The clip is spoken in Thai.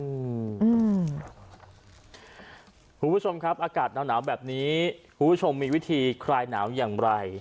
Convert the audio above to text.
คุณผู้ชมครับอากาศหนาวแบบนี้คุณผู้ชมมีวิธีคลายหนาวอย่างไร